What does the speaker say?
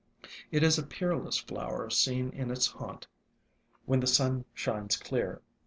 It is a peerless flower seen in its haunt when the sun shines clear.